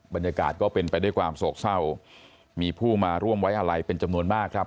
บรรยากาศก็เป็นไปด้วยความโศกเศร้ามีผู้มาร่วมไว้อะไรเป็นจำนวนมากครับ